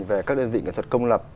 về các đơn vị kỹ thuật công lập